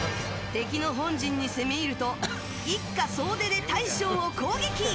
敵の本陣に攻め入ると一家総出で大将を攻撃。